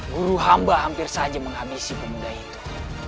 guru hamba hampir saja menghabisi pemuda itu